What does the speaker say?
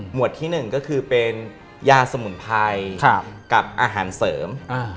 หมวดที่๑ก็คือยาสมุนไพรกับอาหารเสริม